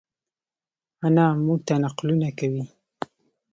انا مونږ ته نقلونه کوی